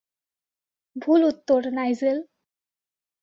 ভুল উত্তর, নাইজেল।